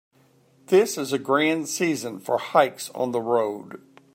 This is a grand season for hikes on the road.